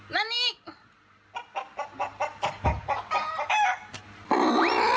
นั่นอีก